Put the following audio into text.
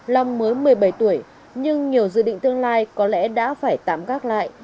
long mới một mươi bảy tuổi nhưng nhiều dự định tương lai có lẽ đã phải tạm gác lại